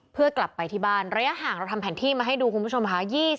เพื่อกลับไปที่บ้านระยะห่างเราทำแผนที่มาให้ดูคุณผู้ชมค่ะ